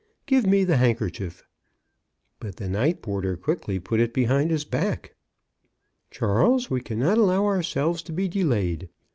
'* Give me the handkerchief." But the night porter quickly put it behind his back. " Charles, we cannot allow ourselves to be de layed.